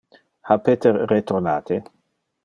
Ha Peter retornate?